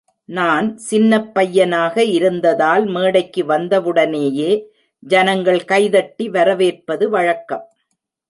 நான் சின்னப் பையனாக இருந்ததால் மேடைக்கு வந்தவுடனேயே ஜனங்கள் கைதட்டி வரவேற்பது வழக்கம்.